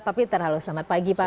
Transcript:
pak peter halo selamat pagi pak